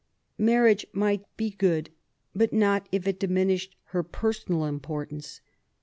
Marriage might be good, but %ot if it diminished her personal importance.